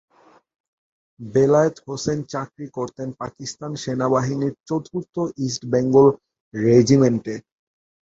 বেলায়েত হোসেন চাকরি করতেন পাকিস্তান সেনাবাহিনীর চতুর্থ ইস্ট বেঙ্গল রেজিমেন্টে।